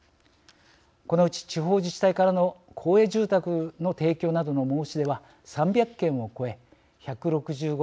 このうち地方自治体からの公営住宅の提供などの申し出は３００件を超え１６５